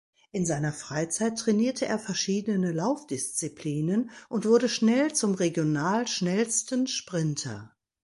In seiner Freizeit trainierte er verschiedene Laufdisziplinen und wurde schnell zum regional schnellsten Sprinter.